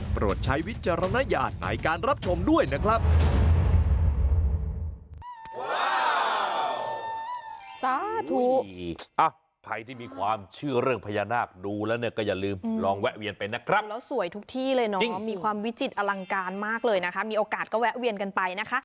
ใช้วิจารณญาณในการรับชมด้วยนะครับ